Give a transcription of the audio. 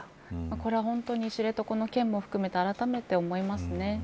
これは本当に知床の件も含めてあらためて思いますね。